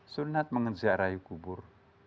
sunat mengenziarahi kubur